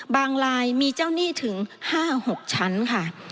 ลายมีเจ้าหนี้ถึง๕๖ชั้นค่ะ